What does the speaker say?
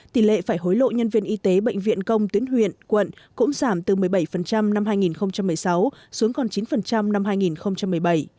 tỷ lệ phải hối lộ nhân viên y tế bệnh viện công tuyến huyện quận cũng giảm từ một mươi bảy năm hai nghìn một mươi sáu xuống còn chín năm hai nghìn một mươi bảy